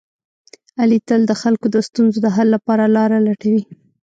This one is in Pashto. علي تل د خلکو د ستونزو د حل لپاره لاره لټوي.